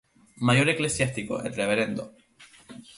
Mayor Eclesiástico, el Rvdo.